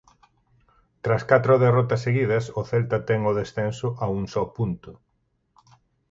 Tras catro derrotas seguidas o Celta ten o descenso a un só punto.